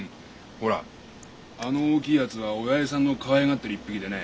ほらあの大きいやつはおやじさんのかわいがってる一匹でね